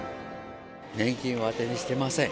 年金はあてにしてません。